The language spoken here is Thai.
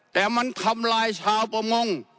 แต่มันทำลายชาวประมง